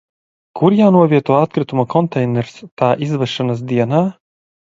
Kur jānovieto atkritumu konteiners tā izvešanas dienā?